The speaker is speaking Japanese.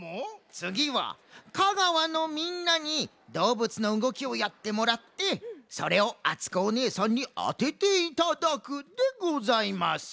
つぎは香川のみんなにどうぶつのうごきをやってもらってそれをあつこおねえさんにあてていただくでございます。